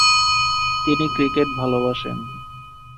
তিনি ক্রিকেট ভালবাসেন।